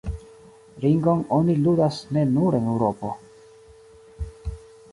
Ringon oni ludas ne nur en Eŭropo.